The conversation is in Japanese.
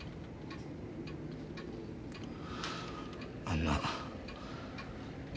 あんな。